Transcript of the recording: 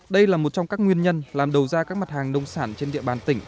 đây là một trong các nguyên nhân làm đầu ra các mặt hàng nông sản trên địa bàn tỉnh